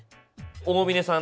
大嶺さん